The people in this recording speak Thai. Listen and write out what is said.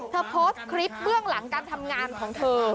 โพสต์คลิปเบื้องหลังการทำงานของเธอ